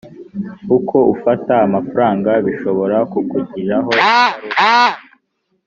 uko ufata amafaranga bishobora kukugiraho ingaruka